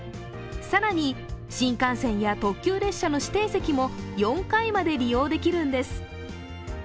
更に新幹線は特急列車の指定席も４回まで利用できるんです。